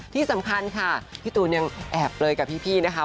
ที่สำคัญค่ะพี่ตูนยังแอบเลยกับพี่นะคะ